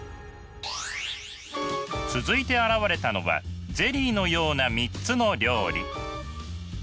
続いて現れたのはゼリーのような３つの料理。